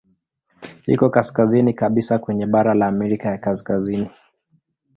Iko kaskazini kabisa kwenye bara la Amerika ya Kaskazini.